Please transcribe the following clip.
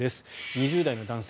２０代の男性